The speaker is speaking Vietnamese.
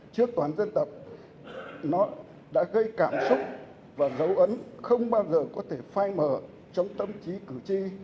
trước toàn dân tộc nó đã gây cảm xúc và dấu ấn không bao giờ có thể phai mở chống tâm trí cử tri